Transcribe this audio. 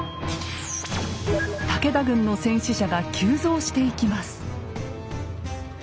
武田軍の戦死者が急増していきます。